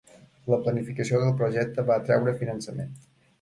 La planificació del projecte va atraure finançament.